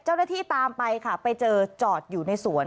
เจ้าหน้าที่ตามไปค่ะไปเจอจอดอยู่ในสวน